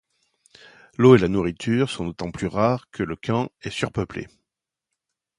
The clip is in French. L’eau et la nourriture sont d’autant plus rares que le camp est surpeuplé.